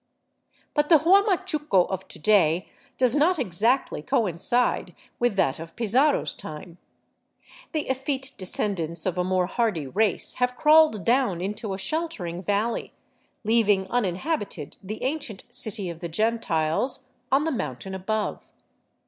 But the Huamachuco of to day does not exactly coincide with that of Pizarro's time. The effete descendants of a more hardy race have crawled down into a sheltering valley, leaving uninhabited the ancient " city of the Gentiles " on the mountain above.